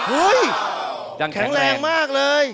เฮ้ยแข็งแรงมากเลย